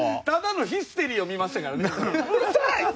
ただのヒステリーを見ましたからね